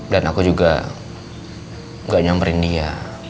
dan aku juga gak nyamperin dia